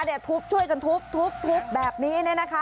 แดดทุบช่วยกันทุบทุบแบบนี้เลยนะคะ